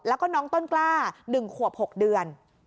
แล้วก็น้องต้นกล้า๑ขวบ๖เดือน